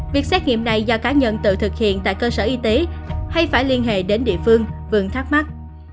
việc xét nghiệm này do cá nhân tự thực hiện tại cơ sở y tế hay phải liên hệ đến địa phương vừa thắc mắc